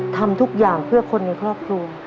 ทำทุกอย่างเพื่อคนในครอบครัว